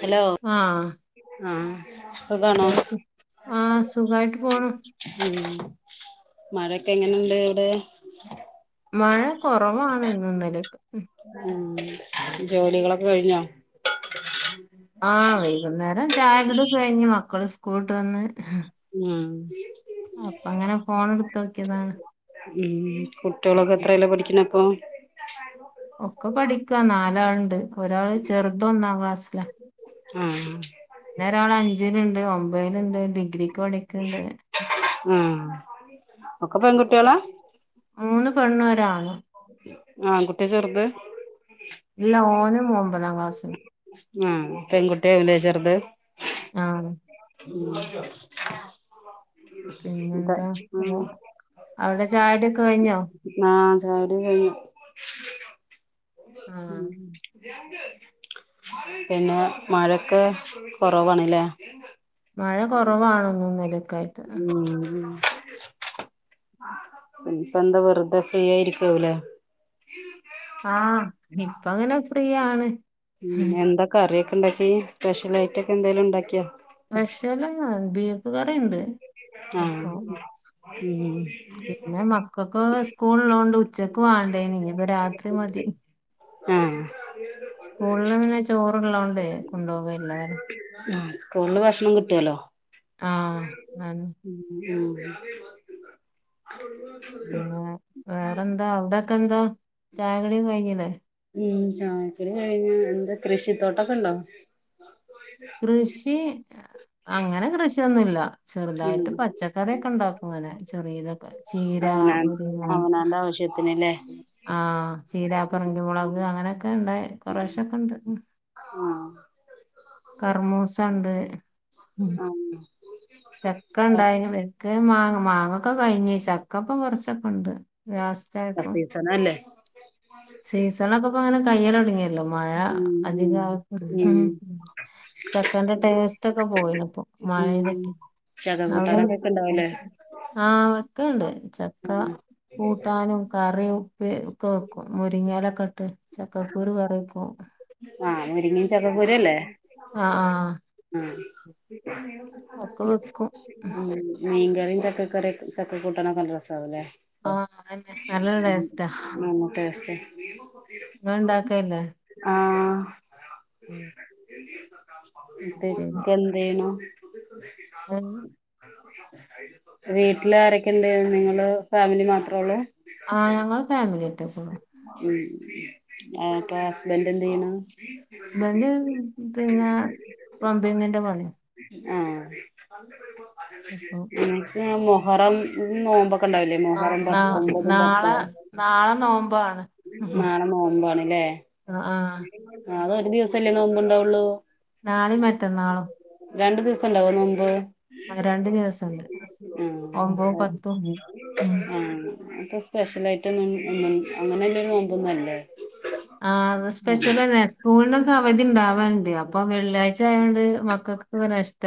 Hello ആഹ് ആഹ് കേൾക്ക് ആഹ് സുഖായിട്ട് പോണ് മഴൊക്കെ എങ്ങനെണ്ട് അവിടെ മഴ കുറവാണ് ഇന്നും ഇന്നലെ ഒക്കെ ഉം ജോലികളൊക്കെ കഴിഞ്ഞോ ആ വൈകുന്നേരം ചായകുടി കഴിഞ് മക്കള് സ്കൂള്ട്ട് വന്ന് ഉം അപ്പൊ അങ്ങനെ ഫോൺ എടുത്ത നോക്കിതാണ് ഉം കുട്ടികളൊക്കെ എത്രേലാ പഠിക്കണ അപ്പൊ ഒക്കെ പഠിക്കാ നാലാളുണ്ട് ഒരാള് ചെറുതൊന്നാ ക്ലാസ്സില ആഹ് പിന്നെ ഒരാള് അഞ്ചില്ണ്ട് ഒമ്പലുണ്ട് ഡിഗ്രിക്ക് പഠിക്ക്ണ്ട് ആഹ് ഒക്കെ പെൺകുട്ടികളാ മൂന്ന് പെണ്ണും ഒരാണും ആൺ കുട്ടിയ ചെറുത് ഇല്ല ഓനും ഒമ്പതാം ക്ലാസ് ആ പെൺകുട്ടി ആവുംലെ ചെറുത് ആഹ് ഉം അതെ പിന്നെന്താ ഉം ആ, അവിടെ ചായകുടിയൊക്കെ കഴിഞ്ഞോ ആഹ് ചായകുടി കഴിഞ്ഞോ ആഹ് പിന്നെ മഴൊക്കെ കൊറവാണ് ലെ മഴ കൊറവാണ് ഇന്നും ഇന്നലെയൊക്കെ ആയിട്ട് ഉം ഉം ഇപ്പ എന്താ വെറുതെ ഫ്രീ ആയിരിക്കാവുലേ ആഹ് ഇപ്പ ഇങ്ങനെ ഫ്രീയാണ് ഉം എന്താ കറിയൊക്കെ ഉണ്ടാക്കി സ്പെഷ്യൽ ഐറ്റക്കെ എന്തെലും ഉണ്ടാക്കിയോ പക്ഷേല് ബീഫ് കറിണ്ട് ആഹ് ഉം പിന്നെ മക്കക്ക് സ്കൂൾ ഉള്ളോണ്ട് ഉച്ചക്ക് ക് വേണ്ടേനി നി ഇപ്പൊ രാത്രി മതി ആഹ് സ്കൂള്ല് പിന്നെ ചോറ്ള്ളോണ്ട് കൊണ്ടോവെല്ലാരും ആ സ്കൂളില് ഭക്ഷണം കിട്ടുല്ലോ ആഹ് ആ ഉം പിന്നെ വേറെന്താ അവിടെക്കെ എന്താ ചായകടിയും കഴിഞ്ഞില്ലേ ഉം ചായക്കുടി കഴിഞ്ഞ് എന്താ കൃഷിത്തോട്ടൊക്കെ ണ്ടോ കൃഷി അങ്ങനെ കൃഷിയൊന്നുല്ല ഉം ചെറുതായിട്ട് പച്ചക്കറിയെക്കെണ്ടാക്കും. അങ്ങനെ ചെറിയതൊക്കെ ചീര, അവനാൻ മുരിങ്ങ അവനാന്റെ ആവശ്യത്തിനല്ലേ ആ ചീനാപറങ്കി മൊളക് അങ്ങനെ. ക്കണ്ടായ് കൊറേശെക്കെണ്ട്. ആഹ് കർമൂസണ്ട് ആഹ് ചക്ക ണ്ടായ്നു വെട്ട് ക്കേം മാങ്ങ മാങ്ങക്കെ കഴിഞ്ഞ് ചക്കപ്പം കൊറച്ചൊക്കണ്ട് ലാസ്റ്റായ പ്പ സീസണല്ലേ. സീസണൊക്കെപ്പങ്ങനെ കയ്യലൊടങ്ങിയല്ലോ മഴ ഉം അധിക ഉം ഉം ചക്കേന്റെ ടെയ്സ്റ്റൊക്കെ പോയിനപ്പം. ഉം മയതട്ടി ചക്ക അവടെ കൂട്ടാനൊക്കെ ഉണ്ടാവുല്ലേ ആ [unintelligible] ക്കണ്ട് ചക്ക കൂട്ടാനും കറി ഉപ്പേ ക്കെ വെക്കും. മുരിങ്ങെലൊക്കെട്ട് ചക്കക്കുരു കറി വെക്കും. ആഹ് മുരിങ്ങയും ആ ആ ഉ [unintelligible] ഒക്ക വെക്കും. മീൻ കറിയും ചക്ക കറി ചക്ക കൂട്ടാനൊക്കെ നല്ല രസാവുല്ലേ? ആ അതെന്നെ നല്ല ടേസ് നല്ല ടേസ്റ്റാ. ങ്ങ ണ്ടാക്കൽല്ലേ? ആ ഉം [unintelligible] എന്തേയ്നു? [unintelligible] വീട്ടിലാരെക്കെണ്ട് നിങ്ങള് ഫാമിലി മാത്രോള്ളൂ? ആ ഞങ്ങള് ഫാമിലിയാട്ടിപ്പോ. ആ പ്പ ഹസ്ബന്റ് എന്ത് ചെയ്യണു? ഹസ്ബന്റ് പിന്നെ പമ്പിങ്ങിന്റെ പണിയ. ആ അപ്പൊ എനിക്ക് മുഹറം നോബൊ ക്കെണ്ടാവൂലേ ആ, മൊഹറം നാ പത് ഒമ്പതും നാളെ പത്തുവോ. നാളെ നോമ്പാണ് ആഹ് നാളെ നോമ്പാണ്ലേ ആഹ് ആകെ ഒരു ദിവസല്ലേ നോമ്പ്ണ്ടാവൊള്ളു? നാളേം മെറ്റന്നാളും. രണ്ടു ദിവസണ്ടാവോ നോമ്പ്? ആ രണ്ടു ദിവസൊ. ണ്ട് ആ അതെ ആ ന്താ സ്പെഷ്യൽ? വെലുതായിട്ടൊന്നും അങ്ങനൊള്ളൊരു നോമ്പൊന്നല്ല. ആ സ്പെഷ്യലനെ സ്കൂൾല് അവധി ഉണ്ടാവാലണ്ട് അപ്പം വെള്ളിയാഴ്ച ആയോണ്ട് [unintelligible]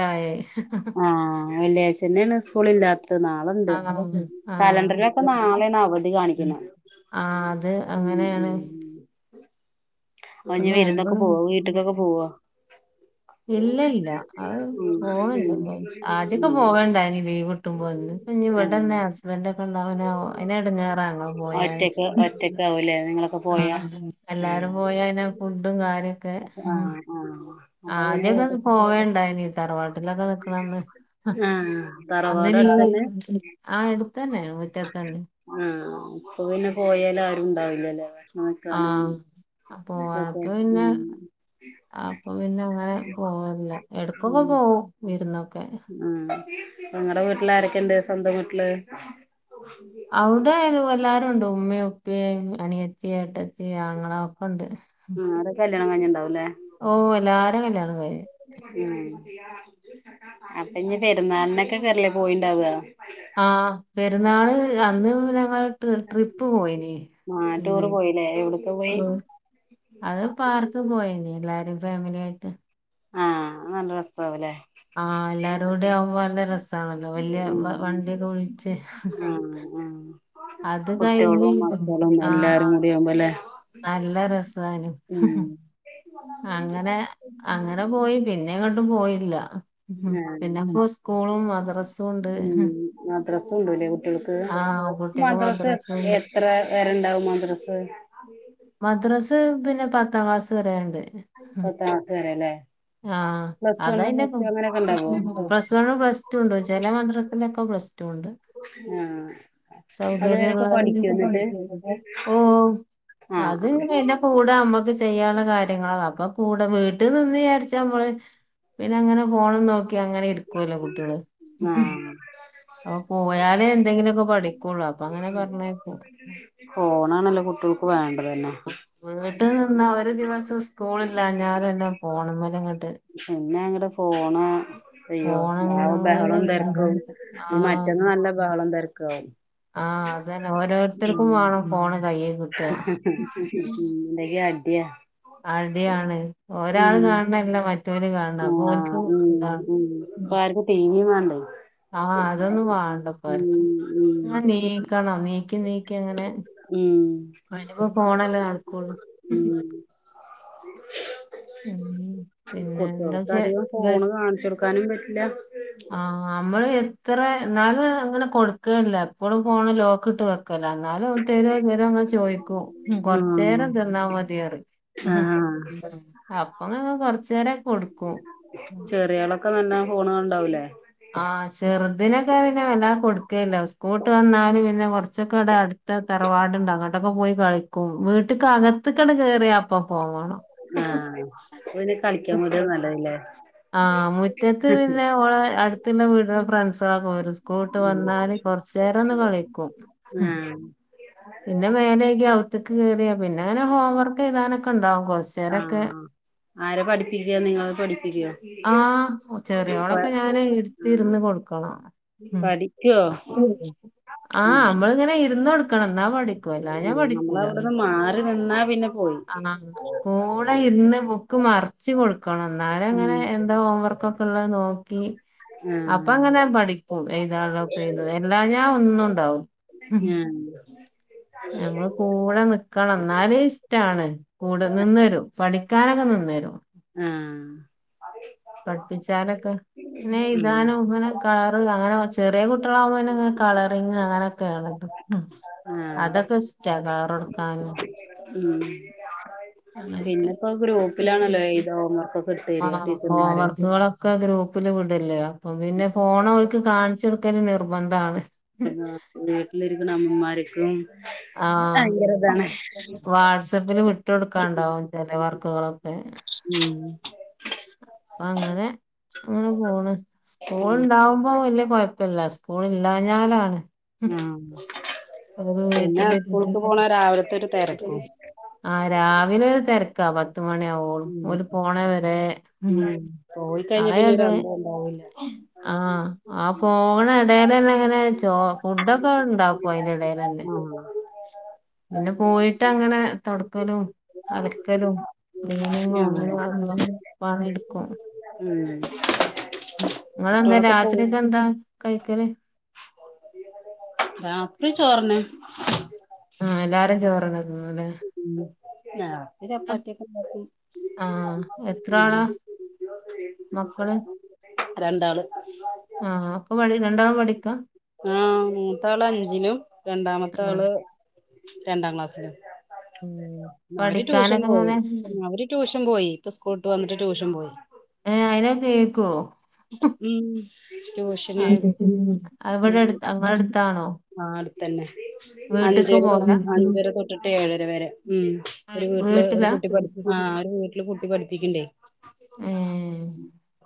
ആ വെള്ളിയാഴ്ച്ചന്നെയാണ് സ്കൂളില്ലാത് ത്ത് നാളൊണ്ട് ആഹ് കലണ്ടറിലൊക്കെ നാളെയാണ് അവധി കാണിക്കണെ. ആ അത് ഉം അങ്ങനെയാണ്. ഉം അപ്പൊ അപ്പ ഇനി വിരുന്നൊക്കെ നോമ്പൊന്നും പോവോ [inaudible] വീട്ടിക്കൊക്കെ പോവോ ഇല്ലല്ല അത് ഉം ഉം പോണില്ലപ്പം ആദ്യോക്കെ പോകൽണ്ടായ്ന് ലീവ് കിട്ടുമ്പോ. ന്നിപ്പ ആഹ് ന്നിവടെന്നെ ഹസ്ബന്റൊക്കെ ന്നവനൊ അയ്നെടാങ്ങാറാണല്ലോ പോയാല്. ഒറ്റക്ക് ഒറ്റക്കാവൂലേ നിങ്ങളൊക്കെ ആ പോയാ എല്ലാരും ആഹ് പോയ അയ്നെ ഫുഡും കാര്യൊക്കെ ആഹ് ആഹ് അപ്പൊ പിന്നെ ആദ്യക്കെ അത് വീട്ട് പോവണ്ടായിന്. ട്ടിലൊക്കെ നിക്കന്നന്ന് ആഹ് തറവാട് അന്ന്ള്ളതായ്ക്കും ആ എടുക്കാനായി ആ ഇപ്പ പിന്നെ പോയാലാരുണ്ടാവില്ലല്ലേ ഭക്ഷണം വെക്കാനും അപ്പോക് ഇതൊക്കെ പിന്നെ ഉം അപ്പൊ പിന്നെ അങ്ങനെ പോവാറില്ല ഉം എടക്കൊക്കെ പോ പോവും വിരുന്ന് ഉം നിങ്ങടെ വീട്ടില് ആരൊക്കെണ്ട് സ്വന്തം വീട്ടില് അവിടായാലും വല്ലാ നുണ്ട് ഉമ്മിം ഉപ്പിംഅനിയത്തി ഏട്ടത്തി അങ്ങള ഒക്കെ ഉണ്ട് ഉം അവർതൊക്കെ കല്യാണം കഞ്ഞിണ്ടാവും ഓ എല്ലാരെ കല്യാണം കയിഞ്ഞ് ഉം അപ്പൊ ഇനി പെരുന്നാളിനൊക്കെകായില്ലേ പോയിണ്ടാവാ ആ പെരുന്നാള് അന്ന് ഞങ്ങൾ ട്രിപ്പ് പോയിന് ആഹ് ടൂറ് പോയില്ലേ എവിടക്കാ പോയി [unintelligible] അത് പാർക്ക് പോയനിം എല്ലാരും ഫാമിലി ആയിട്ട് ആഹ അത് നല്ല രസാവുല്ലേ ആ എല്ലാരും കൂടെ ആവുമ്പോ നല്ല രസാണല്ലോ വലിയ വ- ഉം വണ്ടിയൊക്കെ വിളിച്ച് ഉംആ അത് ആ കഴിഞ്ഞ് കുട്ടികളും മക്കളും ആ എല്ലാരും കൂടികുമ്പോലെ നല്ല രസാണ് ഉം അങ്ങനെ അങ്ങനെ പോയി പിന്നെ എങ്ങട്ടും പോയില്ല ഉ ആഹ് പിന്നെ പ്പോ സ്കൂളും മദ്രസും ഉണ്ട് മദ്രസ്സും ഉണ്ട്ല്ലേ കുട്ടികൾക്ക് ആഹ് കുട്ടിക്ക് മദ്രസ്സ് മദ്രസ ഉണ്ട് എത്ര വേരെണ്ടാവും മദ്രസ് മദ്രാസ്സ് പിന്നെ പത്താം ക്ലാസ് വരെണ്ട് പത്താം ക്ലാസ് വരേല്ലേ ആഹ അതയിന്റെ ഇണ്ടാവോ പ്ലസ് വൺ പ്ലസ് ടു ഉണ്ട് ചില മാദ്രസിലൊക്കെ റ്റുണ്ട് [unintelligible] ആഹ് അതുവരൊക്കെ സൗകര്യള്ള പഠിക്കോ എന്നിട്ട് [unintelligible] ഓ ആഹ് അത്ങ്ങനെല്ല കൂടെ നമ്മുക്ക് ചെയ്യാനുള്ള കാര്യങ്ങളാണ് അപ്പൊ കൂടെ വ് വീട്ടിൽ നിന്ന് വിചാരിച്ച നമ്മള് പിന്നെ അങ്ങനെ ഫോൺ നോക്ക ക്കിഅങ്ങനെ ഇരിക്കോല്ലോ കുട്ടികള് ആഹ് അപ്പൊ പോയാലേ എന്തെങ്കിലുമൊക്കെ പഠിക്കുള്ളൂ അപ്പൊ അങ്ങനെ പറഞ്ഞയക്കും ഫോണാണല്ലോ കുട്ടികൾക്ക് വേണ്ടതെന്നെ വീട്ട് നിന്നാ ഒരു ദിവസം സ്കൂളില്ലാഞാൽ പിന്നെ ഫോണിമ്മലങ്ങട്ട് പിന്നെ അങ്ങടെ ഫോണ് അയ്യോ ആകെ ഫോണങ്ങനെ ബഹളം തിരക്കും ഇനി മറ്റൊന്നാ നല്ല ബഹളം തിരക്കവും ആഹ അതന്നെ ഓരോരുത്തർക്കും വേണം ഫോണ് കയ്യിൽ കിട്ടാ ഉം എന്തൊക്കെ അടിയാ അടിയാണ് ഒരാള് ഉം കാണണല്ല മറ്റ റ്റല കാണണ അപ്പ ആഹ് ഓൻക്ക് ഉം ഇത ഉം ഇപ്പ ആർക്കും ടിവിയും വേണ്ടേ ആഹ അതൊന്നും വാണ്ടപ്പ ആർക്കും ഉം ഉം ആ നീക്കണം നീക്കി നീ ക്കിങ്ങനെ ഉം അയിനിപ്പോ ഫോണല്ലേ നടക്കുള്ളൂ ഉം ഉം പിന്നെ എന്താ കുട്ടികൾക്ക് അധികം ഫോണ് കാണിച്ചു കൊടുക്കാനും പറ്റില്ല ആ നമ്മള് എത്ര എന്നാലും അങ്ങനെ കൊടു ക്കല്ല എപ്പോഴും ഫോണ് ലോക്ക് ഇട്ട് വെക്കലാ എന്നാലും തരോ തരോഅങ് ചോയ്ക്കും കൊറച്ചേരം തെന്നാ മതിയറി ആഹ ആഹ അപ്പൊങ് കൊറച്ചേരൊക്കെ കൊടുക്കും ചെറിയ ആളൊക്കെ നല്ലോം ഫോണുകാണുണ്ടാവൂലേ ആഹ് ചെർ തിനൊക്കെ പിന്നെ വല്ലാതെ കൊടുക്കലില്ല സ്കൂൾ വിട്ട് വന്നാല് പിന്നെ കുറച്ചൊക്കെ ഇവിടെ അടുത്ത തറവാട്ണ്ട് അങ്ങട്ട് ഒക്കെ പോയി കളിക്കും വീട്ടക്ക് അകത്ത് ക്കങ്ങട്ട് കേറിയാ അപ്പ- അപ്പ ഫോൺ വേണം ആഹ് അപ്പൊ പിന്നെ കളിക്കാൻ വിടാ നല്ലതല്ലേ [unintelligible] ആഹ മുറ്റത്ത് പിന്നെ ഓളെ അടു ത്ത. വീട്ടിൽ ഫ്രണ്ട്സുകളൊക്കെവരും സ്കൂള്ട്ട് വന്നാല് കൊറച്ചേരം ഒന്ന് കളിക്കും ആഹ് പിന്നെ മേലയ്കിഅവ്ത്ത്ക്ക് കേയറിയ പിന്നെ അങ്ങനെ ഹോം വർക്ക് ചെയ്താനൊക്കെ ഉണ്ടാവും കൊറച്ചേരൊക്കെ ആഹ് ആരാ പഠിപ്പിക്കുക നിങ്ങള് പഠിപ്പിക്കുവോ? ആഹ ചെറിയ ളോടൊക്കെ ഞാന് അടുത്ത് ആഹ് ഇരുന്ന് കൊടുക്കണം പഠിക്കോ ഉ ഉം ആഹ് നമ്മളിങ്ങനെ ഇരിക്കണം എന്നാ പഠിക്കും അല്ലാഞ്ഞാൽ ഉം പഠിക്കൂല നമ്മളവിടുന്ന് മാറി നിന്നാ പിന്നെ പോയി ആഹ കൂടെ ഇരുന്ന് ബുക്ക്‌ മറി ച്ച് കൊടുക്കും ക്കണം എന്നാലും അങ്ങനെ ഉം എന്താ ഹോം വർക്ക് ഒക്കെ ഉള്ളത് നോക്കി അപ്പൊ അങ്ങനെ ആഹ് പഠിക്കും എഴതാളൊക്കെത് എഴ്തും എല്ലാ ഞാ ഒന്നുണ്ടാവും ആഹ് നമ്മ കൂടെ നിക്കണം എന്നാലും ഇഷ്ടാണ് കൂടെ നിന്നരും പഠിക്കാനൊക്കെ നിന്ന് ആ പഠിപ്പിച്ചാലൊക്കെ ന്നെ ഉം എഴുതാനും ഇങ്ങനെ കളറ് അങ്ങനെ [unintelligible] ചെറിയ കുട്ടികളാകുമ്പോങ്ങനെ കളറിങ്ങ് അങ്ങനെയൊക്കെയാണ് ആഹ് അതൊക്കെ ഇഷ്ടാ കളറൊട്ക്കാനും ഉം പിന്നെപ്പോ ഗ്രൂപ്പിലാണല്ലോ എഴുതാ ഹോംവർക്കൊക്കെ ഇട്ട് ആ തരിക ടീച്ചർമാര് ഹോംവർക്കുകളൊക്കെ ഗ്രൂപ്പില് വിടല്ലേ അപ്പൊ പിന്നെ ഫോണ് അവർക്കു കാണിച്ചെടുക്കല് നിർബന്ധാണ് വീട്ടില് ഇരിക്കുന്ന അമ്മമാർക്കും ഭയങ്കര ഇതാണ് വാട്സആപ്പില് വിട്ട് കൊടുക്കാണ്ടാവും ചെല വർക്കുകളൊക്കെ അപ്പ അങ്ങനെ അങ്ങനെ പോണ് സ്കൂൾ ഉണ്ടാവുമ്പോ വല്ല്യ കുഴപ്പല്ല സ്കൂള് ഇില്ലഞ്ഞാലാണ് ആ പിന്നെ സ്കൂളക്ക് വീട്ടിലിരുന്ന് പോണ രാവിലത്തെ ഒരു തിരക്കും ആ രാവിലെ ഒരു തിരക്കാ പത്ത് മണിയാവോളും ഉം ഓല് പോണ വരെ ഉം പോയി കഴിഞ്ഞ പിന്നെ ഒരു ആയെടെ അന്തം ഉണ്ടാവില്ല ആ ആ പോണ എടേലന്നെ അങ്ങനെ ചോ ഫുഡൊക്കെ ഉണ്ടാക്കും അതിന്റെ ഇടയിൽ തന്നെ ആഹ് പിന്നെ പോയിട്ട് അങ്ങനെ തൊടക്കലും, അലക്കലും, ക്ലീനിങ്ങും അങ്ങനെഎല്ല പണി ഇട്ക്കും ഉം നിങ്ങെന്താ കുട്ടികളൊക്കെ രാത്രി പോയി ഒക്കെ എന്താ കഴിക്കല് രാത്രി ചോറ് തന്നെ ആ എല്ലാരും ചോറ് തന്നെ തിന്നുല്ലേ ആ രാത്രി ചപ്പാത്തിയൊക്കെണ്ടാക്കും മക്കളും രണ്ടാള് ആ ഒപ്പ മ രണ്ടാ പഠി പഠിക്കാ ആ മൂത്ത ആള് അഞ്ചിലും രണ്ടാമത്തെ ആഹ് ആള് രണ്ടാം ക്ലാസ്സിലും അവര് ട്യൂഷൻ പഠിക്കാനൊക്കെ പോയി ഇങ്ങനെ അവര് ട്യൂഷൻ പോയി ഇപ്പ സ്കൂള്ട്ട് വന്നിട്ട് ട്യൂഷൻ പോയി ഏ അയിനൊക്കെ കേക്കോ ഉം ട്യൂഷന് അ അവിടെ അങ്ങടെ അടുത്താണോ ആ അടുത്തന്നെ വീട്ട്ക്ക് അഞ്ചര പോവലാ അഞ്ചര തൊട്ടിട്ട് ഏഴര വരെ ഉം ഒരു വീ ട്ടില് ഒരു വീട്ടിലാ കുട്ടി ആ ഒരു വീട്ടില് കുട്ടി പഠിപ്പിക്കണ്ടേ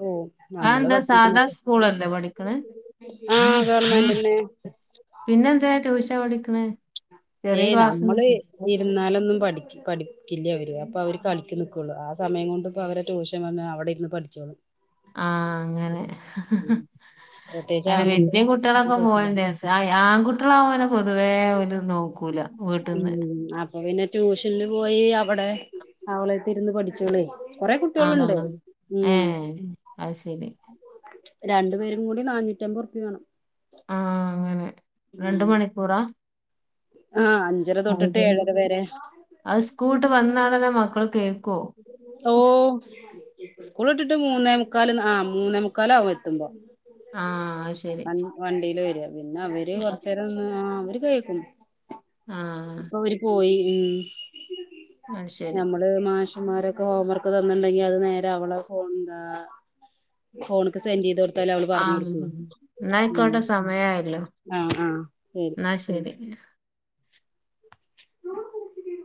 ഓ ആ എന്താ സാധാ സ്കൂളല്ലേ പഠിക്ക്ണേ ആ ഗവണ്മെന്റ്ന്നെ ട്യൂഷൻപഠിക്ക്ണെ ഏ നമ്മള് ഇരുന്നാലൊന്നും പഠി പഠിക്കില്ല അവര് അപ്പൊ അവര് കളി നിക്കുള്ളു ആ സമയം കൊണ്ട് ഇപ്പോ അവര് ട്യൂഷൻ അവിടെരുന്ന് പഠിച്ചോളു ആ അങ്ങനെ പ്രത്യേകിച്ച് അ ആൺകുട്ടി വലിയ കുട്ടികളൊക്കെ പോലെ ആൺകുട്ടികളാവന പൊതുവേ ഓല് നോക്കൂല വീട്ട്ന്ന് ട്യൂഷനിൽ പോയി അവെടെ അവളെത്തിരുന്ന് പഠിച്ചോളേ കൊറെ ആഹ് കുട്ട്യോള്ണ്ട് മ് ഏഹ് അത് ശരി രണ്ടു പേരും കൂടി നാനൂറ്റമ്പത്റു പ്യാ വേണം. ആഹ് അങ്ങനെ രണ്ട് ഉം മണിക്കൂറാ ആഹ് അഞ്ചര തൊട്ടിട്ട് ഏഴര വരെ അ സ്കൂള്ട്ട് വന്നാടെ ന്നെ മ ഓ സ്കൂള് ഇട്ടിട്ട് മൂന്നേ മുക്കാല് ആ മൂന്നേ മുക്കാലാകും എത്തുമ്പോ ആഹ് അത് ശരി വ വണ്ടിയില് വരിക പിന്നെ അവര് കൊറച്ചേരം ഒന്ന് ആ അവര് കയ് ക്കും ആഹ് പ്പം അവര് പോയി ഉം അയ് ശരി നമ്മള് മാഷന്മാരൊക്കെ ഹോംവർക്ക് തന്നിട്ടണ്ടെങ്കി അത് നേരെ അവളെ ഫോണിലാ ഫോണ്ക്ക് സെന്റ് ചെയ്ത് കൊടുത്താല് അവള് പറഞ്ഞു ആഹ് കൊടുക്കും എന്നാ മ് ആയിക്കോട്ടെ സമയായല്ലോ ആ ആ ശരി എന്നാ ശരി [unintelligible]